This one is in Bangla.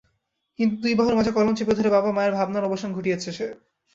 কিন্তু দুই বাহুর মাঝে কলম চেপে ধরে বাবা-মায়ের ভাবনার অবসান ঘটিয়েছে সে।